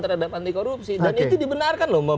terhadap anti korupsi dan itu dibenarkan loh